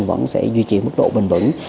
vẫn sẽ duy trì mức độ bình bẩn